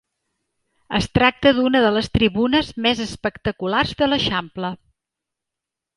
Es tracta d'una de les tribunes més espectaculars de l'Eixample.